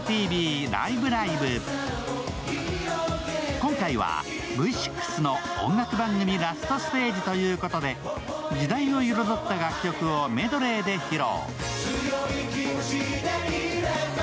今回はＶ６の音楽番組ラストステージということで時代を彩った楽曲をメドレーで披露。